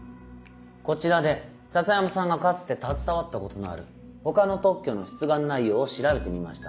こちらで篠山さんがかつて携わったことのある他の特許の出願内容を調べてみました。